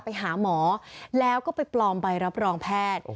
ไปหาหมอแล้วก็ไปปลอมใบรับรองแพทย์